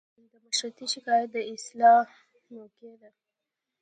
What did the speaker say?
د مشتری شکایت د اصلاح موقعه ده.